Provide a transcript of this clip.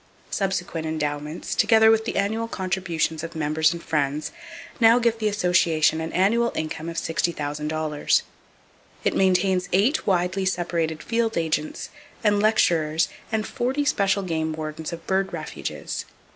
Subsequent endowments, together with the annual contributions of members and friends, now give the Association an annual income of $60,000. It maintains eight widely separated field agents and lecturers and forty special game wardens of bird refuges.